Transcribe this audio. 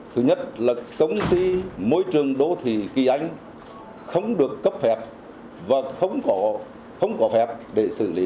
thứ nhất là công ty môi trường đô thị kỳ anh không được cấp phép và không có phép để xử lý